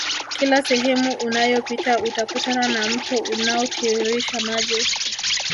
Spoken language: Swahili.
Kila sehemu unayopita utakutana na mto unaotiririsha maji